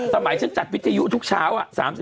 สมัยฉันจัดวิทยุทุกเช้าอ่ะ๓๐บาท